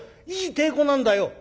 「いい太鼓なんだよ」。